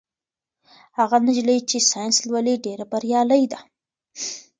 هغه نجلۍ چې ساینس لولي ډېره بریالۍ ده.